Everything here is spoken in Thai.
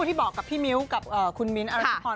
ที่บอกกับพี่มิ้วกับคุณมิ้นท์อรัชพร